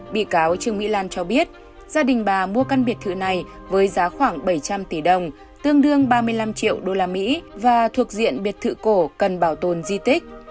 bị cáo trương mỹ lan cho biết gia đình bà mua căn biệt thự này với giá khoảng bảy trăm linh tỷ đồng tương đương ba mươi năm triệu usd và thuộc diện biệt thự cổ cần bảo tồn di tích